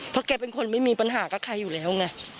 เพราะแกเป็นคนไม่มีปัญหากับใครอยู่แล้วไง